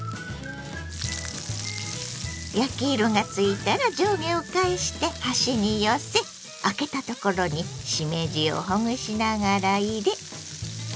焼き色がついたら上下を返して端に寄せあけたところにしめじをほぐしながら入れ。